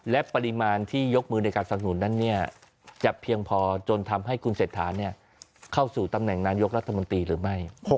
และปริมาณที่ยกมือในการสนุนนั้นจะเพียงพอจนทำให้คุณเศรษฐาเข้าสู่ตำแหน่งนายกรัฐมนตรีหรือไม่